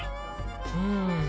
うん。